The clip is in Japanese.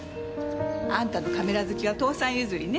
あんたのカメラ好きは父さん譲りね。